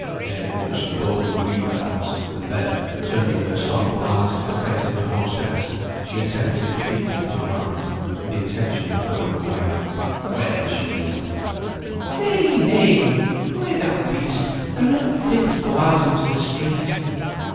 Mary watched the boatman leave the house, and then, turning her sorrowful eyes to the face of her hostess, she attempted feebly to rise, with the intention of going away, where she knew not. "Nay! nay! who e'er thou be'st, thou'rt not fit to go out into the street.